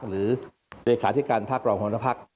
หรือเลขาธิการภาครองหัวหน้าพัก